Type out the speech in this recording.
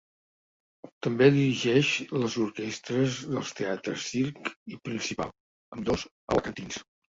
També dirigeix les orquestres dels teatres Circ i Principal, ambdós alacantins.